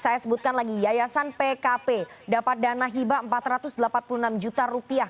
saya sebutkan lagi yayasan pkp dapat dana hibah empat ratus delapan puluh enam juta rupiah